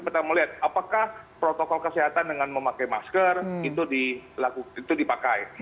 kita melihat apakah protokol kesehatan dengan memakai masker itu dipakai